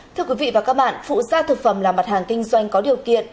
thưa quý vị và các bạn phụ gia thực phẩm là mặt hàng kinh doanh có điều kiện